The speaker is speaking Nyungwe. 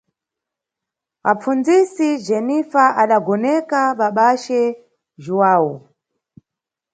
apfundzisi Jenifa adagoneka babace Jhuwawu.